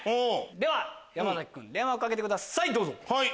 では山崎君電話をかけてくださいどうぞ。